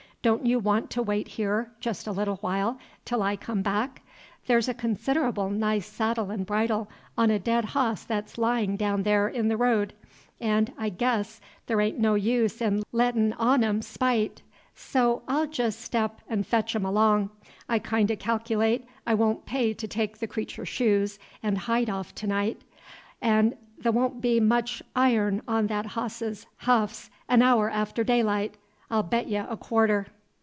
Don't you want to wait here, jest a little while, till I come back? The's a consid'able nice saddle 'n' bridle on a dead boss that's layin' daown there in the road 'n' I guess the' a'n't no use in lettin' on 'em spite, so I'll jest step aout 'n' fetch 'em along. I kind o' calc'late 't won't pay to take the cretur's shoes 'n' hide off to night, 'n' the' won't be much iron on that hose's huffs an haour after daylight, I'll bate ye a quarter."